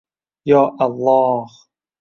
Yo Alloh!